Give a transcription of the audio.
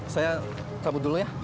saya kabut dulu ya